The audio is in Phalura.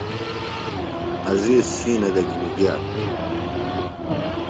عزیز شِینہ دےۡ گھِنیۡ گِیہ